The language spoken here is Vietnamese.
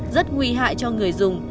rất nguy hại cho người dùng